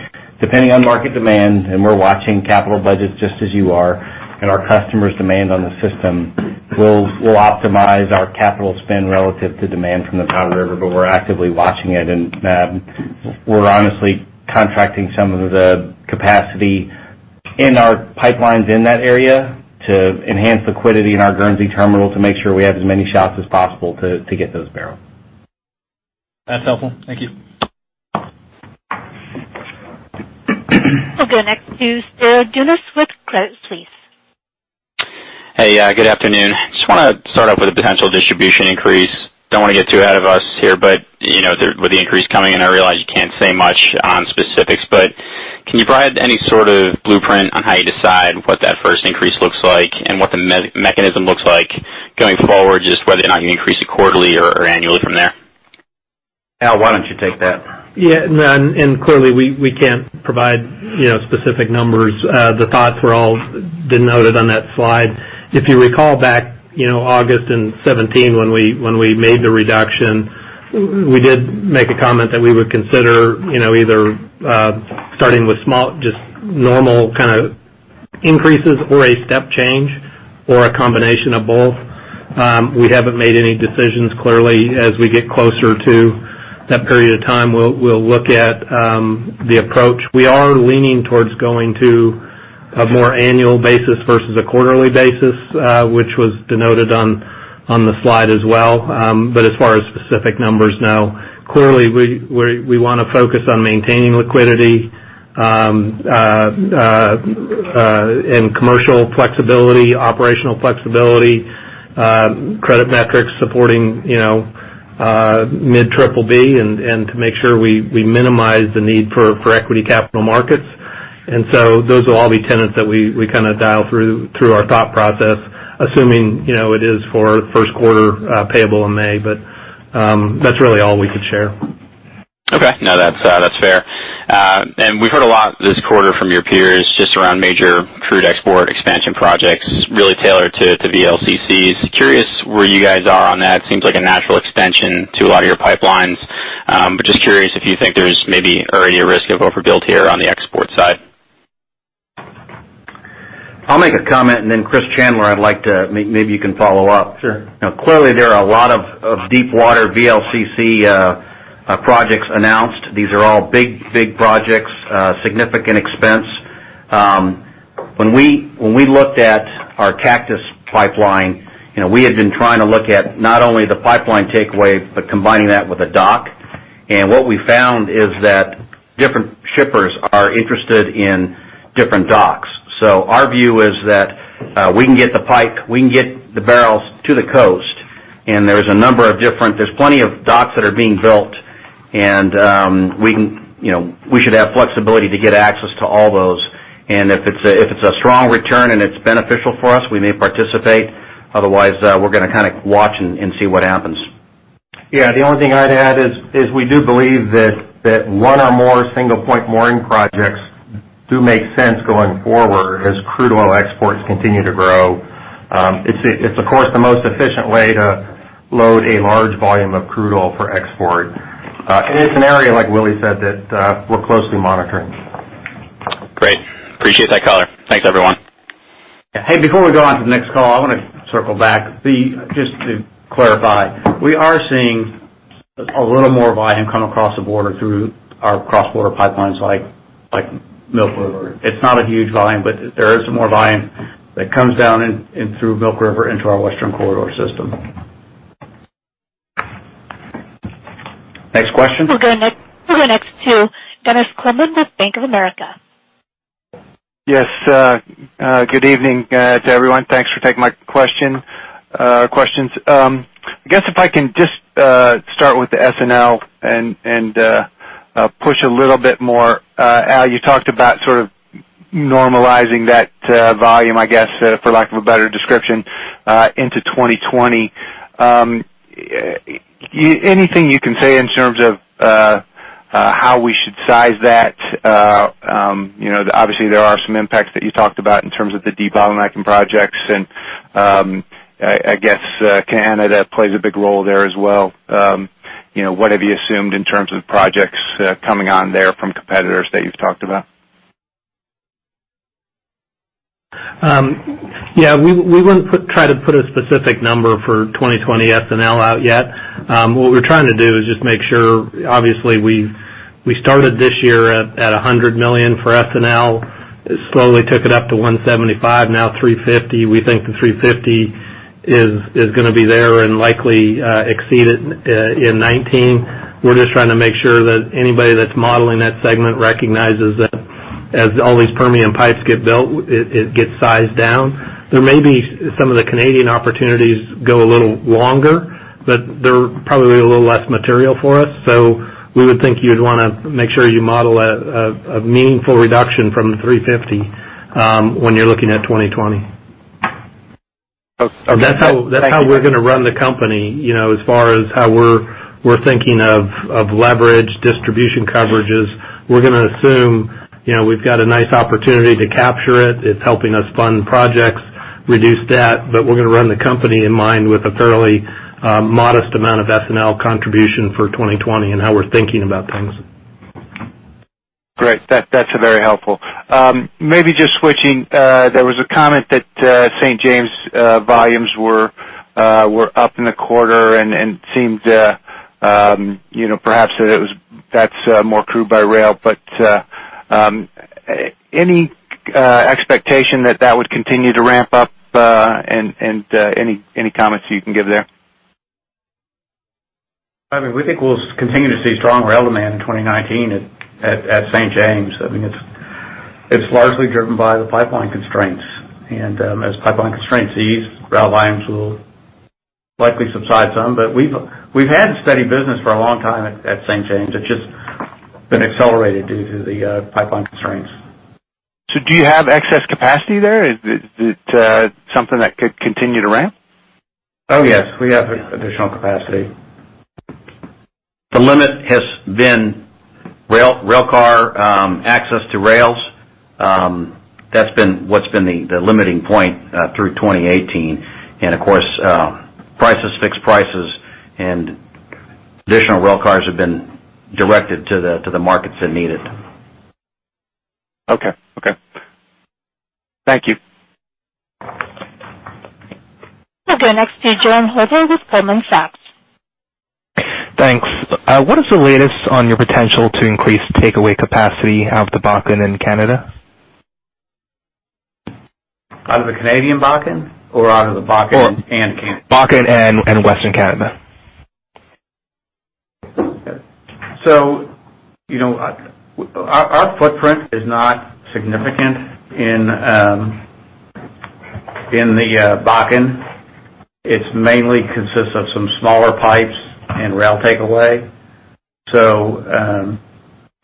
Speaker 8: depending on market demand, and we're watching capital budgets just as you are, and our customers' demand on the system, we'll optimize our capital spend relative to demand from the Powder River, but we're actively watching it, and we're honestly contracting some of the capacity in our pipelines in that area to enhance liquidity in our Guernsey terminal to make sure we have as many shots as possible to get those barrels.
Speaker 13: That's helpful. Thank you.
Speaker 1: We'll go next to Spiro Dounis with Credit Suisse.
Speaker 14: Hey, good afternoon. Just want to start off with a potential distribution increase. Don't want to get too ahead of us here, with the increase coming in, I realize you can't say much on specifics, can you provide any sort of blueprint on how you decide what that first increase looks like and what the mechanism looks like going forward, just whether or not you increase it quarterly or annually from there?
Speaker 6: Al, why don't you take that?
Speaker 4: Yeah, clearly, we can't provide specific numbers. The thoughts were all denoted on that slide. If you recall back, August in 2017 when we made the reduction, we did make a comment that we would consider either starting with just normal kind of increases or a step change or a combination of both. We haven't made any decisions, clearly. As we get closer to that period of time, we'll look at the approach. We are leaning towards going to a more annual basis versus a quarterly basis, which was denoted on the slide as well. As far as specific numbers, no. Clearly, we want to focus on maintaining liquidity and commercial flexibility, operational flexibility, credit metrics supporting mid triple B, and to make sure we minimize the need for equity capital markets. Those will all be tenets that we kind of dial through our thought process, assuming it is for first quarter payable in May. That's really all we could share.
Speaker 14: Okay. No, that's fair. We've heard a lot this quarter from your peers just around major crude export expansion projects really tailored to VLCCs. Curious where you guys are on that. Seems like a natural extension to a lot of your pipelines, but just curious if you think there's maybe already a risk of overbuild here on the export side.
Speaker 6: I'll make a comment, then Chris Chandler, maybe you can follow up.
Speaker 15: Sure.
Speaker 6: Clearly, there are a lot of deep water VLCC projects announced. These are all big projects, significant expense. When we looked at our Cactus Pipeline, we had been trying to look at not only the pipeline takeaway, but combining that with a dock. What we found is that different shippers are interested in different docks. Our view is that we can get the pipe, we can get the barrels to the coast, there's plenty of docks that are being built, we should have flexibility to get access to all those. If it's a strong return and it's beneficial for us, we may participate. Otherwise, we're going to kind of watch and see what happens.
Speaker 15: Yeah, the only thing I'd add is we do believe that one or more single-point mooring projects do make sense going forward as crude oil exports continue to grow. It's, of course, the most efficient way to load a large volume of crude oil for export. It's an area, like Willie said, that we're closely monitoring.
Speaker 14: Great. Appreciate that color. Thanks, everyone.
Speaker 6: Hey, before we go on to the next call, I want to circle back. Just to clarify, we are seeing a little more volume come across the border through our cross-border pipelines like Milk River. It's not a huge volume, but there is some more volume that comes down in through Milk River into our Western Corridor system. Next question?
Speaker 1: We'll go next to Dennis Coleman with Bank of America.
Speaker 16: Yes. Good evening to everyone. Thanks for taking my questions. I guess if I can just start with the S&L and push a little bit more. Al, you talked about sort of normalizing that volume, I guess, for lack of a better description, into 2020. Anything you can say in terms of how we should size that? Obviously, there are some impacts that you talked about in terms of the debottlenecking projects, and I guess Canada plays a big role there as well. What have you assumed in terms of projects coming on there from competitors that you've talked about?
Speaker 4: Yeah. We wouldn't try to put a specific number for 2020 S&L out yet. What we're trying to do is just make sure, obviously, we started this year at $100 million for S&L. Slowly took it up to $175 million, now $350 million. We think the $350 million is going to be there and likely exceeded in 2019. We're just trying to make sure that anybody that's modeling that segment recognizes that as all these Permian pipes get built, it gets sized down. There may be some of the Canadian opportunities go a little longer, but they're probably a little less material for us. We would think you'd want to make sure you model a meaningful reduction from the $350 million when you're looking at 2020. Okay. That's how we're going to run the company. As far as how we're thinking of leverage, distribution coverages. We're going to assume we've got a nice opportunity to capture it. It's helping us fund projects, reduce debt, we're going to run the company in mind with a fairly modest amount of S&L contribution for 2020 and how we're thinking about things.
Speaker 16: Great. That's very helpful. Maybe just switching, there was a comment that St. James volumes were up in the quarter and it seemed perhaps that's more crude by rail, any expectation that that would continue to ramp up, and any comments you can give there?
Speaker 4: I mean, we think we'll continue to see strong rail demand in 2019 at St. James. I mean, it's largely driven by the pipeline constraints. As pipeline constraints ease, rail volumes will likely subside some. We've had steady business for a long time at St. James. It's just been accelerated due to the pipeline constraints.
Speaker 16: Do you have excess capacity there? Is it something that could continue to ramp?
Speaker 4: Oh, yes. We have additional capacity.
Speaker 3: The limit has been railcar access to rails. That's been what's been the limiting point through 2018. Of course, prices, fixed prices, and additional railcars have been directed to the markets that need it.
Speaker 16: Okay. Thank you.
Speaker 1: We'll go next to Jerren Holder with Goldman Sachs.
Speaker 17: Thanks. What is the latest on your potential to increase takeaway capacity out of the Bakken in Canada?
Speaker 6: Out of the Canadian Bakken or out of the Bakken and Canada?
Speaker 17: Bakken and Western Canada.
Speaker 6: Our footprint is not significant in the Bakken. It mainly consists of some smaller pipes and rail takeaway.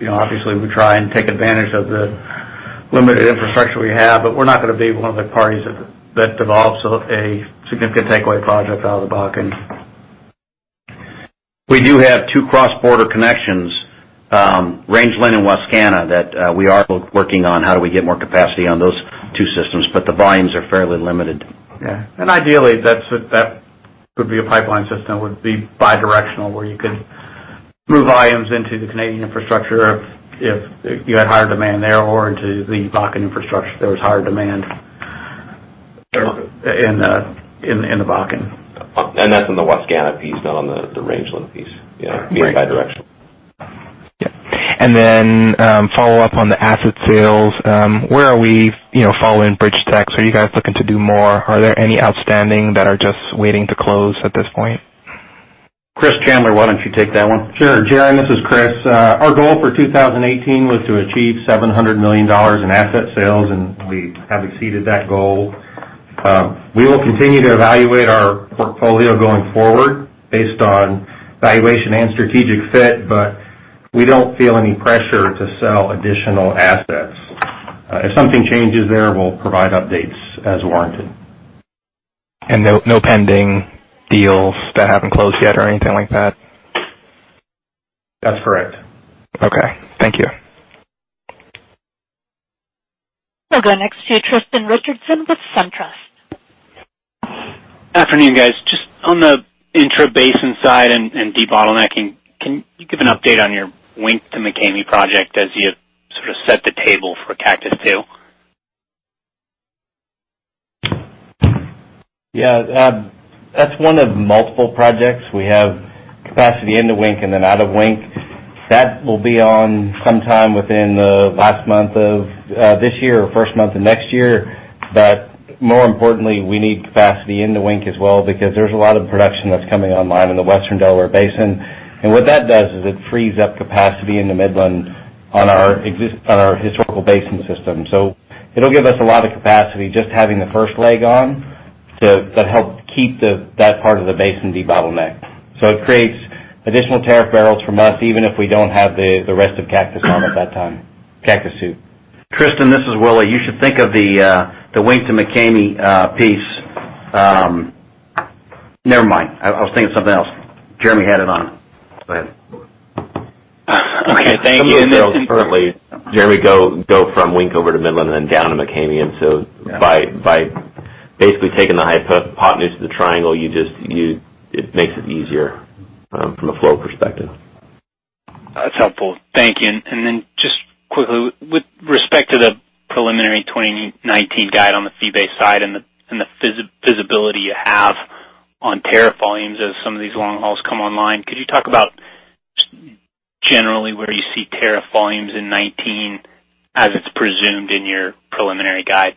Speaker 6: Obviously, we try and take advantage of the limited infrastructure we have, but we're not going to be one of the parties that develops a significant takeaway project out of the Bakken.
Speaker 3: We do have two cross-border connections, Rangeland and Wascana, that we are both working on how do we get more capacity on those two systems, but the volumes are fairly limited.
Speaker 6: Ideally, that would be a pipeline system would be bi-directional, where you could move volumes into the Canadian infrastructure if you had higher demand there or into the Bakken infrastructure, if there was higher demand in the Bakken.
Speaker 17: That's in the Wascana piece, not on the Rangeland piece.
Speaker 6: Right.
Speaker 17: Being bi-directional. Yeah. Follow-up on the asset sales. Where are we following BridgeTex? Are you guys looking to do more? Are there any outstanding that are just waiting to close at this point?
Speaker 3: Chris Chandler, why don't you take that one?
Speaker 15: Sure. Jeremy, this is Chris. Our goal for 2018 was to achieve $700 million in asset sales, we have exceeded that goal. We will continue to evaluate our portfolio going forward based on valuation and strategic fit, we don't feel any pressure to sell additional assets. If something changes there, we'll provide updates as warranted.
Speaker 17: No pending deals that haven't closed yet or anything like that?
Speaker 15: That's correct.
Speaker 17: Okay. Thank you.
Speaker 1: We'll go next to Tristan Richardson with SunTrust.
Speaker 18: Afternoon, guys. Just on the intrabasin side and de-bottlenecking, can you give an update on your Wink to McCamey project as you sort of set the table for Cactus II?
Speaker 8: Yeah. That's one of multiple projects. We have capacity into Wink and then out of Wink. That will be on sometime within the last month of this year or first month of next year. More importantly, we need capacity in the Wink as well because there's a lot of production that's coming online in the Western Delaware Basin. What that does is it frees up capacity in the Midland on our historical basin system. It'll give us a lot of capacity just having the first leg on to help keep that part of the basin de-bottlenecked. It creates additional tariff barrels for months, even if we don't have the rest of Cactus on at that time, Cactus II.
Speaker 3: Tristan, this is Willie. You should think of the Wink to McCamey piece. Never mind. I was thinking of something else. Jeremy had it on. Go ahead.
Speaker 18: Okay. Thank you.
Speaker 8: Jeremy, go from Wink over to Midland and then down to McCamey. By basically taking the hypotenuse of the triangle, it makes it easier from a flow perspective.
Speaker 18: That's helpful. Thank you. Just quickly, with respect to the preliminary 2019 guide on the fee-based side and the visibility you have on tariff volumes as some of these long hauls come online, could you talk about generally where you see tariff volumes in 2019 as it's presumed in your preliminary guide?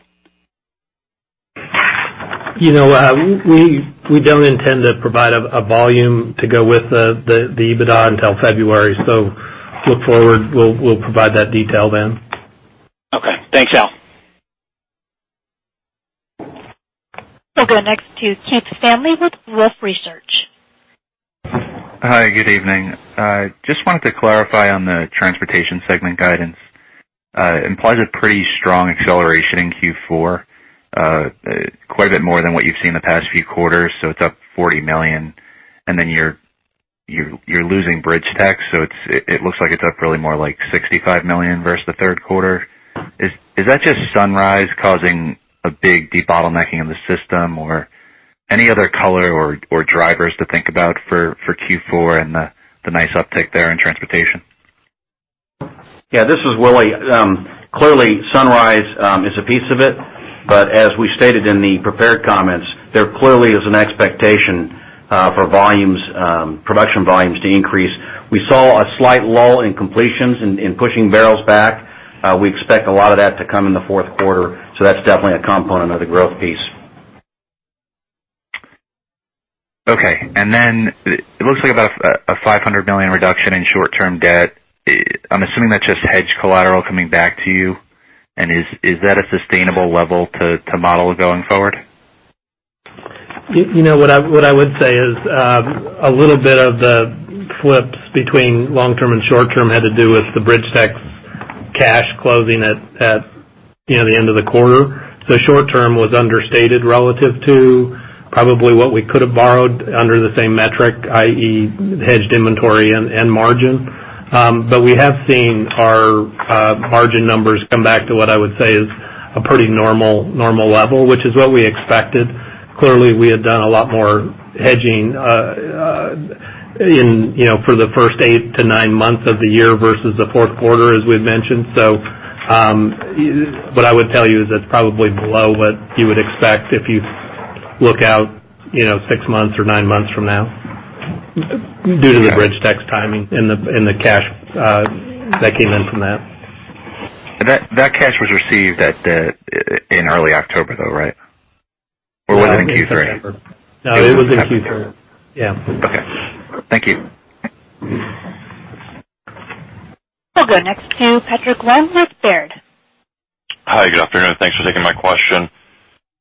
Speaker 4: We don't intend to provide a volume to go with the EBITDA until February. Look forward, we'll provide that detail then.
Speaker 18: Okay. Thanks, Al.
Speaker 1: We'll go next to Keith Stanley with Wolfe Research.
Speaker 19: Hi, good evening. Just wanted to clarify on the transportation segment guidance. It implies a pretty strong acceleration in Q4, quite a bit more than what you've seen the past few quarters. It's up $40 million, and then you're losing BridgeTex, so it looks like it's up really more like $65 million versus the third quarter. Is that just Sunrise causing a big debottlenecking in the system or any other color or drivers to think about for Q4 and the nice uptick there in transportation?
Speaker 3: Yeah, this is Willie. Clearly, Sunrise is a piece of it. As we stated in the prepared comments, there clearly is an expectation for production volumes to increase. We saw a slight lull in completions in pushing barrels back. We expect a lot of that to come in the fourth quarter. That's definitely a component of the growth piece.
Speaker 19: Okay. It looks like about a $500 million reduction in short-term debt. I'm assuming that's just hedged collateral coming back to you. Is that a sustainable level to model going forward?
Speaker 4: What I would say is a little bit of the flips between long-term and short-term had to do with the BridgeTex cash closing at the end of the quarter. Short-term was understated relative to probably what we could have borrowed under the same metric, i.e., hedged inventory and margin. We have seen our margin numbers come back to what I would say is a pretty normal level, which is what we expected. Clearly, we had done a lot more hedging for the first eight to nine months of the year versus the fourth quarter, as we've mentioned. What I would tell you is it's probably below what you would expect if you look out six months or nine months from now due to the BridgeTex timing and the cash that came in from that.
Speaker 19: That cash was received in early October, though, right? Was it in Q3?
Speaker 4: No, it was in Q3. Yeah.
Speaker 19: Okay. Thank you.
Speaker 1: We'll go next to Praneeth Satish with Baird.
Speaker 20: Hi, good afternoon. Thanks for taking my question.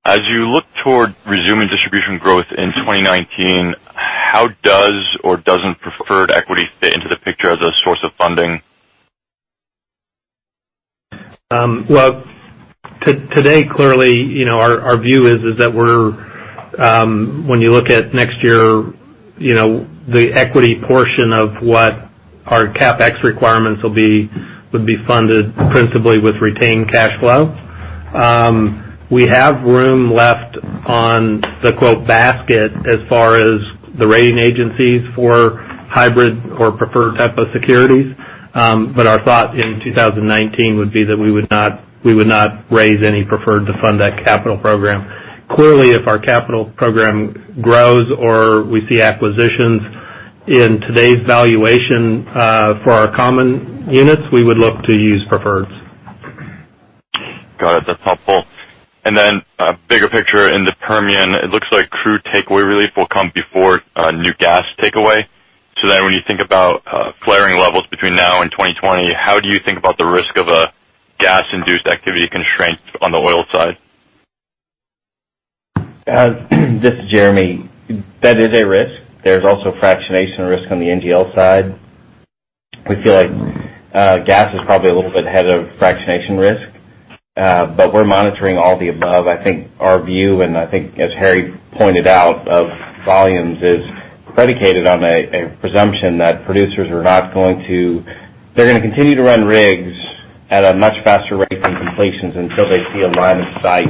Speaker 20: As you look toward resuming distribution growth in 2019, how does or doesn't preferred equity fit into the picture as a source of funding?
Speaker 4: Well, today, clearly, our view is that when you look at next year, the equity portion of what our CapEx requirements will be would be funded principally with retained cash flow. We have room left on the "basket" as far as the rating agencies for hybrid or preferred type of securities. Our thought in 2019 would be that we would not raise any preferred to fund that capital program. Clearly, if our capital program grows or we see acquisitions in today's valuation for our common units, we would look to use preferreds.
Speaker 20: Got it. That's helpful. Bigger picture in the Permian, it looks like crude takeaway relief will come before new gas takeaway. When you think about flaring levels between now and 2020, how do you think about the risk of a gas-induced activity constraint on the oil side?
Speaker 8: This is Jeremy. That is a risk. There's also fractionation risk on the NGL side. We feel like gas is probably a little bit ahead of fractionation risk, but we're monitoring all the above. I think our view, and I think as Harry pointed out, of volumes is predicated on a presumption that producers are going to continue to run rigs at a much faster rate than completions until they see a line of sight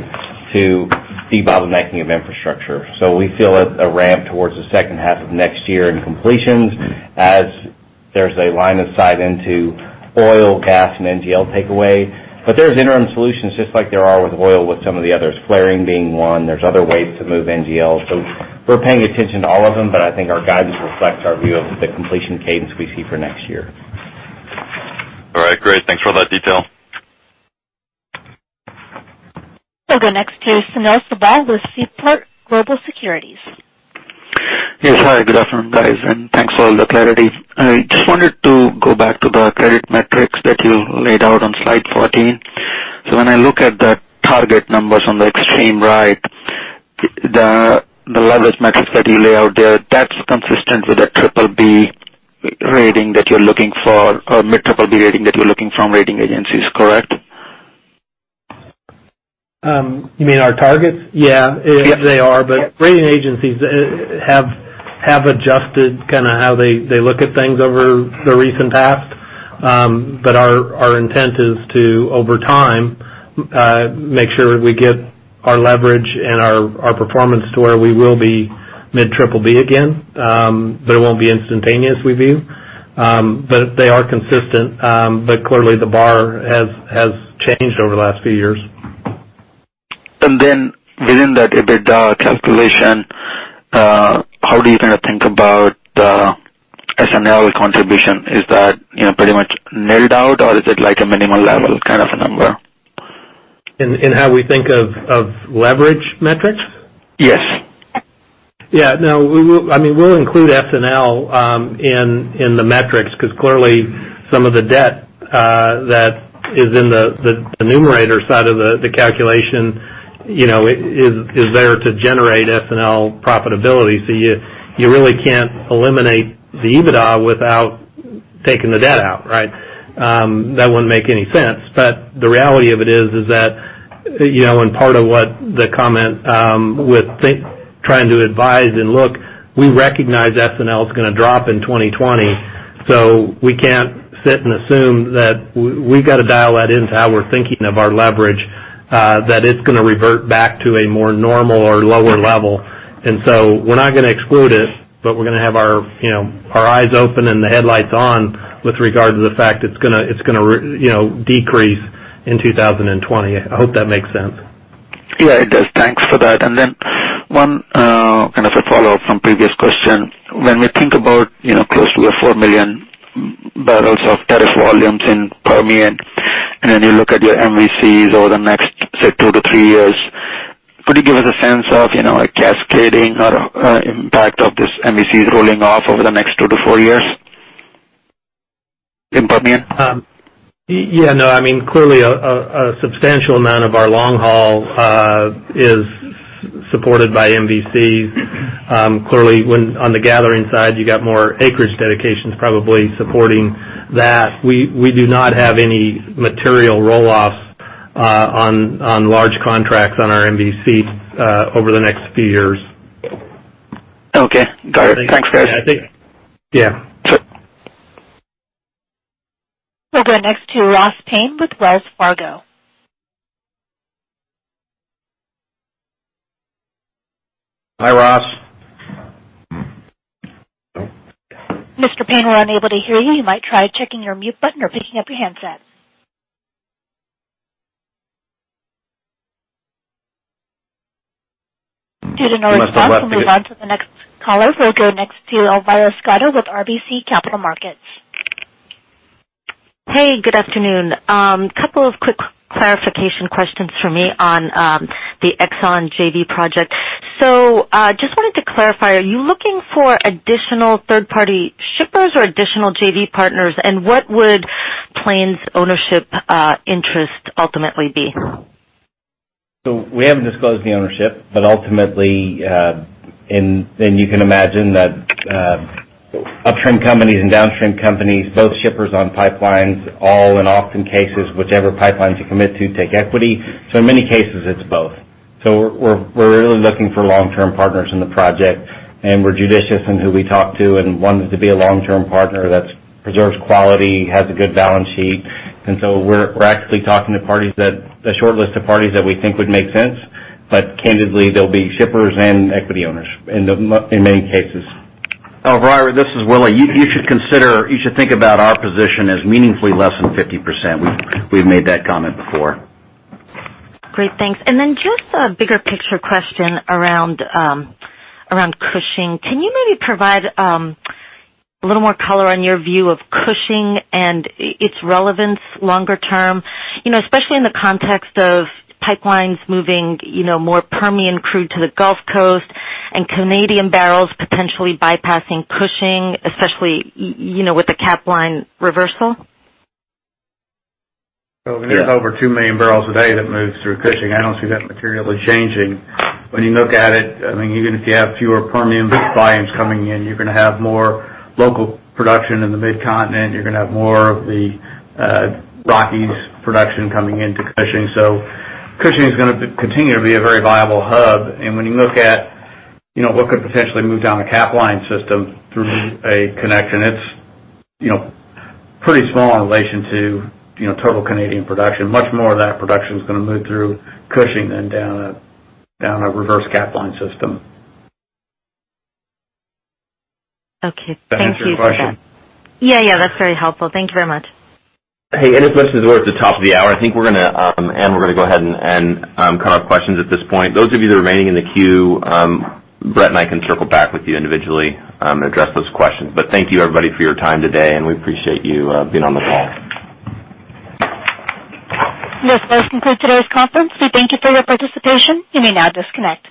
Speaker 8: to debottlenecking of infrastructure. We feel a ramp towards the second half of next year in completions as there's a line of sight into oil, gas, and NGL takeaway. There's interim solutions, just like there are with oil, with some of the others. Flaring being one. There's other ways to move NGL. We're paying attention to all of them, but I think our guidance reflects our view of the completion cadence we see for next year.
Speaker 20: All right, great. Thanks for that detail.
Speaker 1: We'll go next to Sunil Sibal with Seaport Global Securities.
Speaker 21: Yes, hi. Good afternoon, guys, and thanks for all the clarity. I just wanted to go back to the credit metrics that you laid out on slide 14. When I look at the target numbers on the extreme right, the leverage metrics that you lay out there, that's consistent with a triple B rating that you're looking for, or mid triple B rating that you're looking from rating agencies, correct?
Speaker 4: You mean our targets? Yeah. Yep. They are. Rating agencies have adjusted how they look at things over the recent past. Our intent is to, over time, make sure we get our leverage and our performance to where we will be mid triple B again. It won't be instantaneous, we view. They are consistent. Clearly the bar has changed over the last few years.
Speaker 21: Within that EBITDA calculation, how do you kind of think about the S&L contribution? Is that pretty much nailed out or is it like a minimal level kind of a number?
Speaker 4: In how we think of leverage metrics?
Speaker 21: Yes.
Speaker 4: Yeah. No, we'll include S&L in the metrics because clearly some of the debt that is in the numerator side of the calculation is there to generate S&L profitability. You really can't eliminate the EBITDA without taking the debt out, right? That wouldn't make any sense. The reality of it is that, and part of what the comment, with trying to advise and look, we recognize S&L is going to drop in 2020, so we can't sit and assume that we've got to dial that into how we're thinking of our leverage, that it's going to revert back to a more normal or lower level. We're not going to exclude it, but we're going to have our eyes open and the headlights on with regard to the fact it's going to decrease in 2020. I hope that makes sense.
Speaker 21: Yeah, it does. Thanks for that. One kind of a follow-up from previous question. When we think about close to the 4 million barrels of tariff volumes in Permian, you look at your MVCs over the next, say, 2 to 3 years, could you give us a sense of a cascading or impact of this MVCs rolling off over the next 2 to 4 years in Permian?
Speaker 6: Clearly a substantial amount of our long haul is supported by MVCs. Clearly on the gathering side, you got more acreage dedications probably supporting that. We do not have any material roll-offs on large contracts on our MVCs over the next few years.
Speaker 21: Okay. Got it. Thanks, guys.
Speaker 6: Yeah.
Speaker 1: We'll go next to Ross Payne with Wells Fargo.
Speaker 6: Hi, Ross.
Speaker 1: Mr. Payne, we're unable to hear you. You might try checking your mute button or picking up your handset. Due to no response, we'll move on to the next caller. We'll go next to Elvira Scotto with RBC Capital Markets.
Speaker 22: Hey, good afternoon. Couple of quick clarification questions from me on the Exxon JV project. Just wanted to clarify, are you looking for additional third-party shippers or additional JV partners, and what would Plains' ownership interest ultimately be?
Speaker 6: We haven't disclosed the ownership, but ultimately, and you can imagine that upstream companies and downstream companies, both shippers on pipelines, all in often cases, whichever pipelines you commit to, take equity. In many cases, it's both. We're really looking for long-term partners in the project, and we're judicious in who we talk to and one that's to be a long-term partner that preserves quality, has a good balance sheet. We're actually talking to a short list of parties that we think would make sense. Candidly, they'll be shippers and equity owners in many cases.
Speaker 3: Elvira, this is Willie. You should think about our position as meaningfully less than 50%. We've made that comment before.
Speaker 22: Great, thanks. Then just a bigger picture question around Cushing. Can you maybe provide a little more color on your view of Cushing and its relevance longer term, especially in the context of pipelines moving more Permian crude to the Gulf Coast and Canadian barrels potentially bypassing Cushing, especially with the Capline reversal?
Speaker 6: There's over 2 million barrels a day that moves through Cushing. I don't see that materially changing. When you look at it, even if you have fewer Permian volumes coming in, you're going to have more local production in the Mid-Continent. You're going to have more of the Rockies production coming into Cushing. Cushing is going to continue to be a very viable hub. When you look at what could potentially move down a Capline system through a connection, it's pretty small in relation to total Canadian production. Much more of that production is going to move through Cushing than down a reverse Capline system.
Speaker 22: Okay. Thank you for that.
Speaker 6: Does that answer your question?
Speaker 22: Yeah. That's very helpful. Thank you very much.
Speaker 2: Hey, as much as we're at the top of the hour, I think we're going to end. We're going to go ahead and cut off questions at this point. Those of you that are remaining in the queue, Brett and I can circle back with you individually and address those questions. Thank you, everybody, for your time today, and we appreciate you being on the call.
Speaker 1: This does conclude today's conference. We thank you for your participation. You may now disconnect.